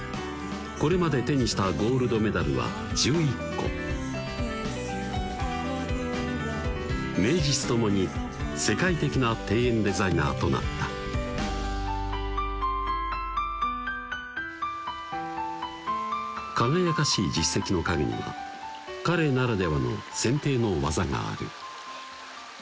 これまで手にしたゴールドメダルは１１個名実共に世界的な庭園デザイナーとなった輝かしい実績の陰には彼ならではの剪定のワザがある